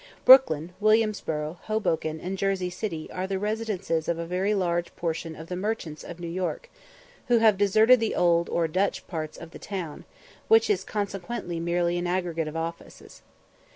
Brooklyn, Williamsburgh, Hoboken, and Jersey City are the residences of a very large portion of the merchants of New York, who have deserted the old or Dutch part of the town, which is consequently merely an aggregate of offices.